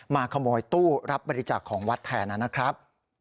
มาขโมยตู้รับบริจาคของวัดแทนนะครับ